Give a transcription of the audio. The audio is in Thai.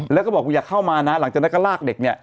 แล้วก็บอกว่าอย่าเข้ามานะหลังจากนั้นก็ลากเด็กเนี่ย